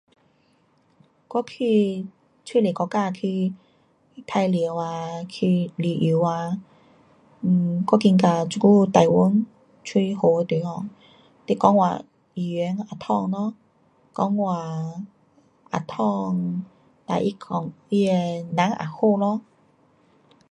我去许多国家去玩耍啊，去旅游啊，um 我觉得这久台湾蛮好的地方，你讲话语言也通咯，讲话也通，哒它讲，它的的人也好咯。